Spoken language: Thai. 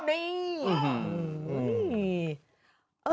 นี่อื้อหือ